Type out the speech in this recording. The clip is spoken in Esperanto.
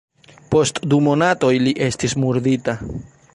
Post du monatoj li estis murdita.